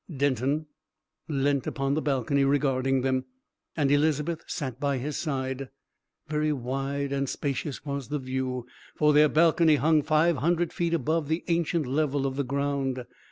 Denton leant upon the balcony regarding them, and Elizabeth sat by his side. Very wide and spacious was the view, for their balcony hung five hundred feet above the ancient level of the ground.